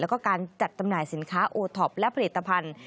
แล้วก็การจัดจำหน่ายสินค้าโอท็อปและผลิตภัณฑ์